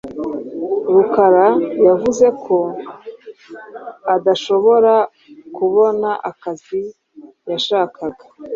Rukara yavuze ko adashobora kubona akazi yashakaga.